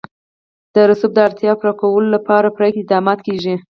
د رسوب د اړتیاوو پوره کولو لپاره پوره اقدامات کېږي.